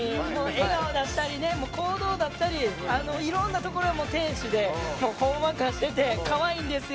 笑顔だったり行動だったりいろんなところが天使でほんまかわいいんですよ。